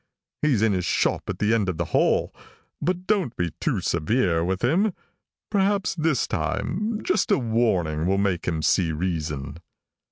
He's in his shop at the end of the hall. But don't be too severe with him. Perhaps this time just a warning will make him see reason."